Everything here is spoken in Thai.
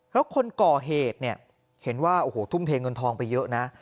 แล้วคนก่อเหตุเนี่ยเห็นว่าโอ้โหทุ่มเทเงินทองไปเยอะนะ